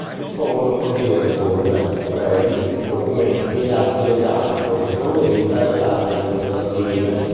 Il fondo contiene bolle, brevi, documenti e atti legali, corrispondenza e carte amministrative.